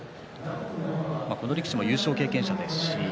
この力士も優勝経験者です。